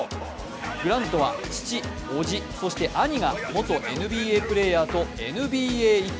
グラントは父、おじ、そして兄が元ＮＢＡプレーヤーとＮＢＡ一家。